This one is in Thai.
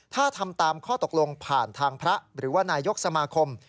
ถ้าทำตามข้อตกลงผ่านทางพระหรือว่านายกสมาคม